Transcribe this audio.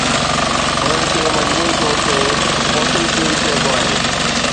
انهن کي مجموعي طور تي فوسل فيول چئبو آهي